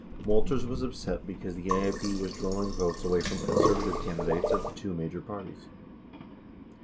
70 Walters was upset because the AIP was drawing votes away from conservative candidates of the two major parties.